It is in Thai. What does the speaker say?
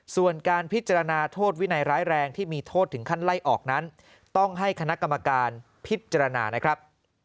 ส่วนการพิจารณาโทษวินัยร้ายแรงที่มีโทษถึงขั้นไล่ออกนั้นต้องให้คณะกรรมการพิจารณานะครับ